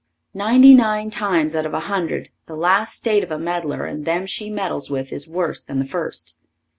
Ninety nine times out of a hundred the last state of a meddler and them she meddles with is worse than the first.